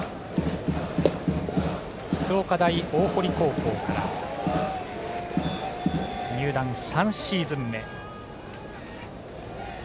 福岡大大濠高校から入団３シーズン目。